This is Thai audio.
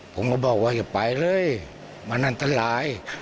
ผมก็บอกว่าอย่าไปเลยมันอันตราย